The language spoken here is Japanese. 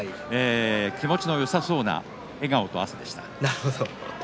気持ちのよさそうな笑顔と汗でした。